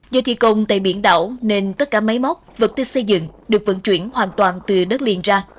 do thi công tại biển đảo nên tất cả máy móc vật tư xây dựng được vận chuyển hoàn toàn từ đất liền ra